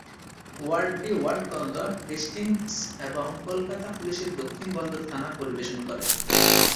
ওয়ার্ডটি Watgunge, Hastings এবং কলকাতা পুলিশের দক্ষিণ বন্দর থানা পরিবেশন করে।